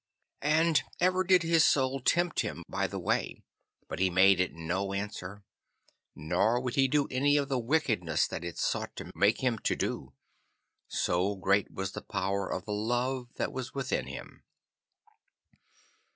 And ever did his Soul tempt him by the way, but he made it no answer, nor would he do any of the wickedness that it sought to make him to do, so great was the power of the love that was within him.